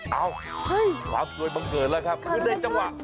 เอ้าความสวยบังเกิดเลยครับ